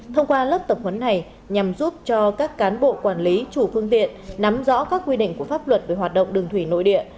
thông qua lớp tập huấn này nhằm giúp cho các cán bộ quản lý chủ phương tiện nắm rõ các quy định của pháp luật về hoạt động đường thủy nội địa